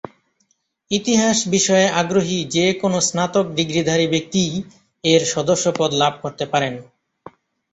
ইতিহাস বিষয়ে আগ্রহী যে-কোন স্নাতক ডিগ্রিধারী ব্যক্তিই এর সদস্যপদ লাভ করতে পারেন।